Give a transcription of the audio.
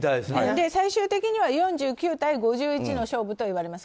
最終的には４９対５１の勝負だと言われます。